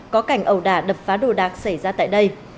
có cảnh ẩu đà đập phá đồ đạc xảy ra tại đây